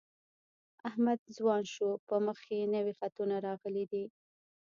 احمد ځوان شو په مخ یې نوي خطونه راغلي دي.